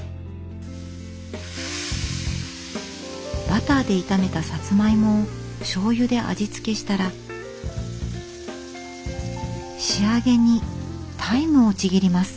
バターで炒めたサツマイモをしょうゆで味付けしたら仕上げにタイムをちぎります。